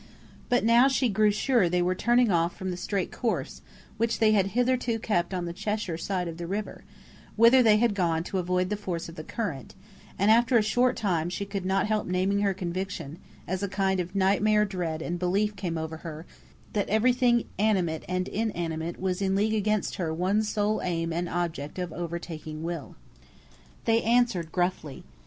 But now she grew sure they were turning off from the straight course which they had hitherto kept on the Cheshire side of the river, whither they had gone to avoid the force of the current, and after a short time she could not help naming her conviction, as a kind of nightmare dread and belief came over her, that every thing animate and inanimate was in league against her one sole aim and object of overtaking Will. They answered gruffly.